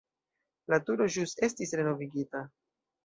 La turo ĵus estis renovigita.